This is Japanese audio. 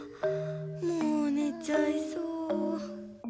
もうねちゃいそう。